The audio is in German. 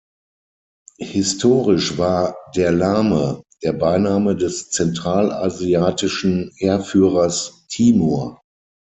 Historisch war „der Lahme“ der Beiname des zentralasiatischen Heerführers Timur.